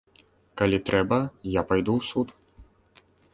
Калі трэба, я пайду ў суд.